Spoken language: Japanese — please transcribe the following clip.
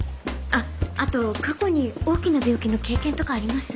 あっあと過去に大きな病気の経験とかあります？